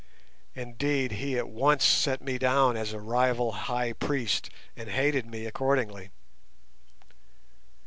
Indeed, he at once set me down as a rival High Priest, and hated me accordingly.